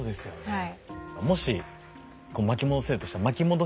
はい。